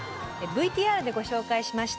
ＶＴＲでご紹介しました冷感